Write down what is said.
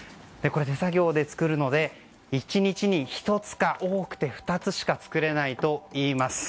手作業で作るので１日に１つか、多くて２つしか作れないと言います。